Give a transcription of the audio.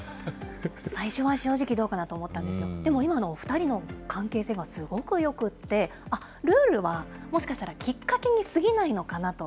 最初は正直、どうかなと思ったんですけど、でも今、お２人の関係性がすごくよくって、あっ、ルールはもしかしたらきっかけにすぎないのかなと。